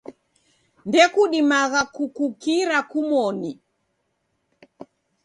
Ndekudimagha kukukira kumoni.